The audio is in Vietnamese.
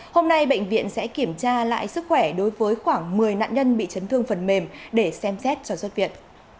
hôm nay bệnh viện sẽ kiểm tra lại sức khỏe đối với khoảng một mươi nạn nhân bị chấn thương phần mềm để xem xét cho xuất viện